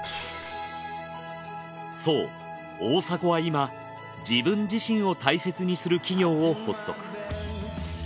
そう大迫は今自分自身を大切にする企業を発足。